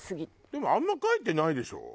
でもあんま書いてないでしょ？